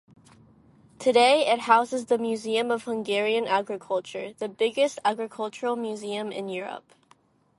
Today, it houses the Museum of Hungarian Agriculture, the biggest agricultural museum in Europe.